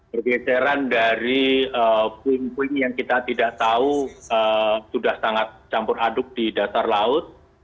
pergeseran dari puing puing yang kita tidak tahu sudah sangat campur aduk di dasar laut